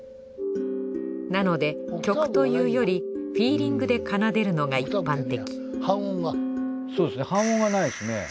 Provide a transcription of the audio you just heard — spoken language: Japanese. なので曲というよりフィーリングで奏でるのが一般的。